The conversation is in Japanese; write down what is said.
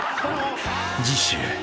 ［次週］